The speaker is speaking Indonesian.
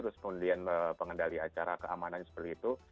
kemudian pengendali acara keamanan seperti itu